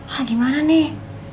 hah gimana nih